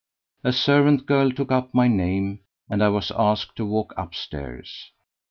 A servant girl took up my name, and I was asked to walk upstairs.